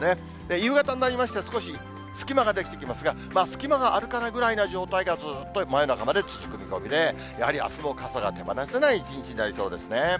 夕方になりまして、少し隙間が出来てきますが、隙間があるかな？ぐらいの状態がずっと真夜中まで続く見込みで、やはりあすも傘が手放せない一日になりそうですね。